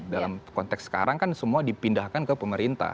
dalam konteks sekarang kan semua dipindahkan ke pemerintah